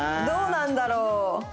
どうなんだろう？